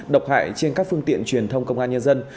độc hại trên các phương tiện truyền thông công an nhân dân